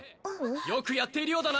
よくやっているようだな！